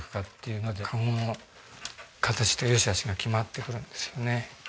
いうのでカゴの形と良しあしが決まってくるんですよね。